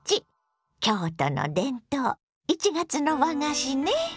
京都の伝統１月の和菓子ね。